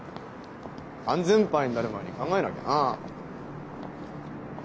安全パイになる前に考えなきゃなあ。